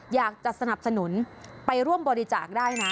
อยากจะสนับสนุนไปร่วมบริจาคได้นะ